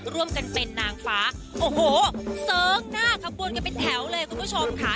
ร่วมกันเป็นนางฟ้าโอ้โหเสิร์งหน้าขบวนกันเป็นแถวเลยคุณผู้ชมค่ะ